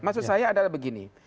maksud saya adalah begini